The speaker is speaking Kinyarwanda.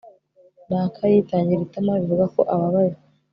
naka yitangiriye itama, bivuga ko ababaye